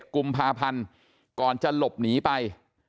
๑๑กลุ่มพาพันธุ์ก่อนจะหลบหนีไป